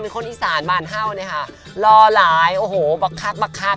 คนอีสานบ้านเห่าเนี่ยค่ะรอหลายโอ้โหบักคักบักคัก